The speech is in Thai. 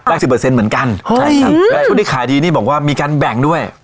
สิบเปอร์เซ็นต์เหมือนกันใช่ครับและผู้ที่ขายดีนี่บอกว่ามีการแบ่งด้วย